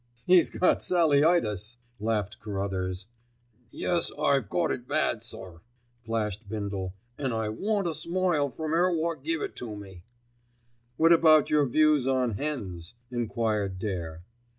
"He's got Sallyitis," laughed Carruthers. "Yes, I got it bad, sir," flashed Bindle, "an' I want a smile from 'er wot give it to me." "What about your views on hens?" enquired Dare.